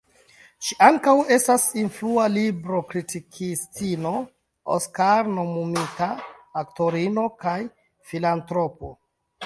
Ŝi ankaŭ estas influa libro-kritikistino, Oskar-nomumita aktorino, kaj filantropo.